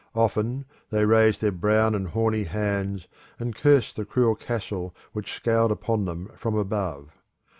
Often they raised their brown and horny hands and cursed the cruel castle which scowled upon them from above.